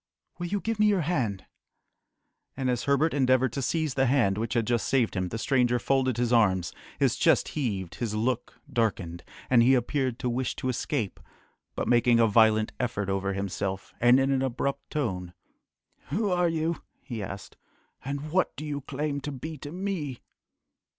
"Will you give me your hand?" And as Herbert endeavoured to seize the hand which had just saved him, the stranger folded his arms, his chest heaved, his look darkened, and he appeared to wish to escape, but making a violent effort over himself, and in an abrupt tone, "Who are you?" he asked, "and what do you claim to be to me?"